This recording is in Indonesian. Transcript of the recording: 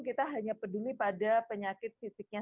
kita hanya peduli pada penyakit fisiknya